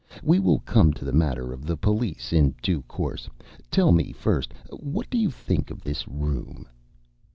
"We will come to the matter of the police in due course. Tell me first, what do you think of this room?"